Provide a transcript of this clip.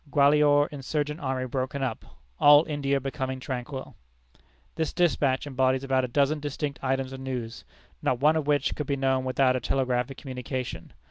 Gwalior insurgent army broken up. All India becoming tranquil." This despatch embodies about a dozen distinct items of news, not one of which could be known without a telegraphic communication.